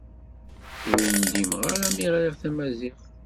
Ur ndimeɣ ara mi ɣriɣ tamaziɣt.